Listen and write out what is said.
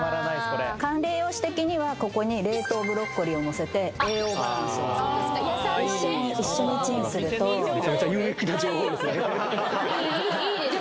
これ管理栄養士的にはここに冷凍ブロッコリーをのせて栄養バランスを一緒にチンするとめちゃめちゃいいですね